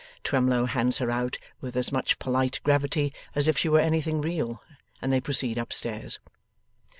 Twemlow hands her out with as much polite gravity as if she were anything real, and they proceed upstairs.